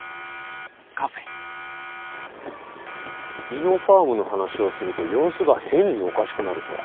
イノファームの話をすると様子が変におかしくなると。